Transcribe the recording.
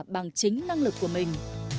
bằng chính năng lực của mình